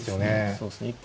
そうですね。